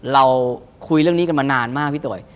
เราคุยเรื่องนี้กันมานานมากพี่ตุ๋ย